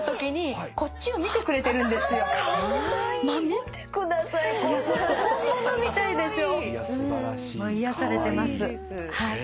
見てください本物みたいでしょ？いや素晴らしい。